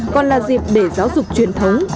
còn là dịp để giáo dục truyền thống